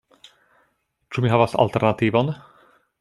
Ĉu mi havas alternativon?